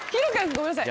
ごめんなさい。